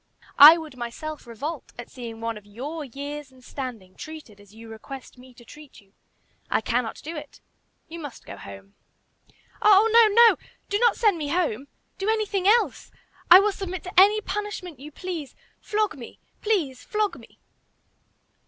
I would myself revolt at seeing one of your years and standing treated as you request me to treat you. I cannot do it. You must go home." "Oh, no! no! Do not send me home! Do anything else. I will submit to any punishment you please. Flog me; please, flog me!"